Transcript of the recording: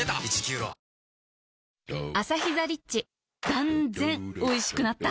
断然おいしくなった